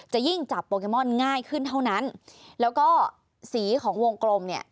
จะยิ่งจับโปเกมอนง่ายขึ้นเท่านั้นแล้วก็สีของวงกลมเนี่ย